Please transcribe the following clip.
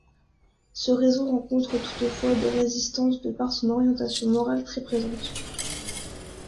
Ce réseau rencontre toutefois des résistance de par son orientation morale très présente.